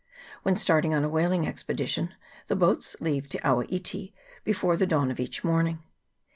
When starting on a whaling expedition, the boats leave Te awa iti before the dawn of the morning.